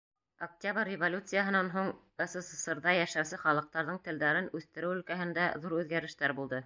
Октябрь революцияһынан һуң СССР-ҙа йәшәүсе халыҡтарҙың телдәрен үҫтереү өлкәһендә ҙур үҙгәрештәр булды.